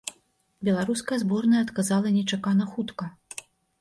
Беларуская зборная адказала нечакана хутка.